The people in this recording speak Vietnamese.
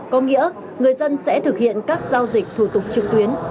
có nghĩa người dân sẽ thực hiện các giao dịch thủ tục trực tuyến